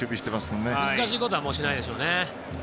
もう難しいことはしないでしょうね。